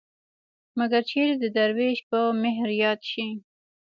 مګر چېرې د دروېش په مهر ياد شي.